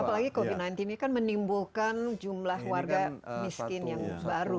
apalagi covid sembilan belas ini kan menimbulkan jumlah warga miskin yang baru